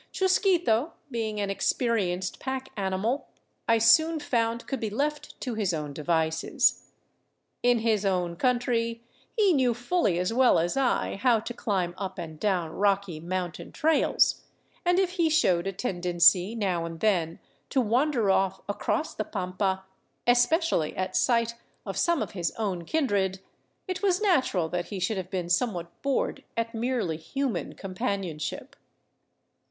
Chusquito, being an experienced pack animal, I soon found could be left to his own devices. In his own country, he knew fully as well as I how to climb up and down rocky, mountain trails, and if he showed a tendency now and then to wander off across the pampa, especially at sight of some of his own kindred, it was natural that he should have been somewhat bored at merely human companionship.